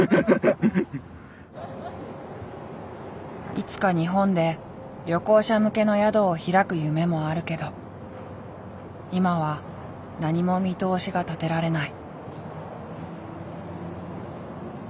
いつか日本で旅行者向けの宿を開く夢もあるけど今は何も見通しが立てられない。